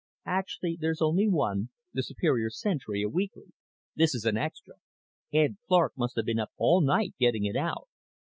"Actually there's only one, the Superior Sentry, a weekly. This is an extra. Ed Clark must have been up all night getting it out."